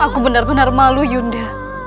aku benar benar malu yunda